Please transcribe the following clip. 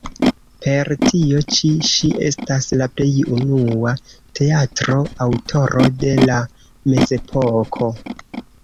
Per tio ĉi ŝi estas la plej unua teatro-aŭtoro de la Mezepoko.